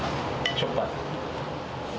しょっぱい？